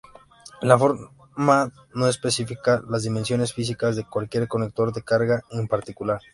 La norma no especifica las dimensiones físicas de cualquier conector de carga en particular.